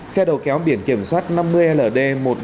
xe đầu kéo biển kiểm soát năm mươi ld